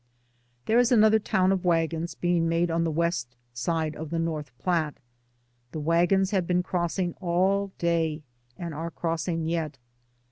There is another town of wagons being made on the west side of the North Platte. The wagons have been crossing all day, and are crossing yet.